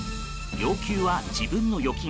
要求は自分の預金